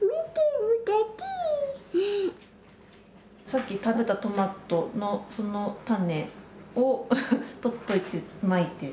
さっき食べたトマトのその種を取っといてまいて